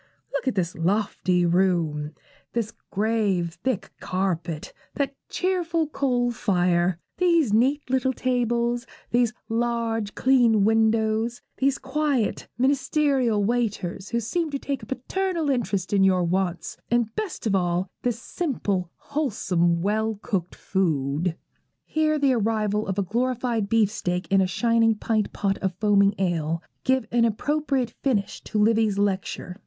Look at this lofty room; this grave thick carpet; that cheerful coal fire; these neat little tables; these large, clean windows; these quiet, ministerial waiters, who seem to take a paternal interest in your wants, and best of all in this simple, wholesome, well cooked food.' Here the arrival of a glorified beefsteak and a shining pint pot of foaming ale give an appropriate finish to Livy's lecture.